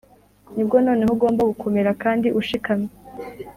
nibwo noneho ugomba gukomera kandi ushikamye